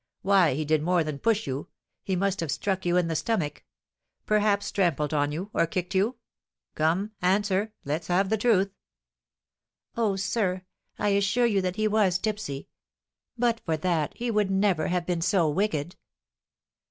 Why, he did more than push you; he must have struck you in the stomach; perhaps trampled on you, or kicked you? Come, answer, let's have the truth." "Oh, sir, I assure you that he was tipsy; but for that he would never have been so wicked."